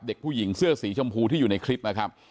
เด็กผู้หญิงเสื้อสีชมพูที่อยู่ในคลิปนะครับ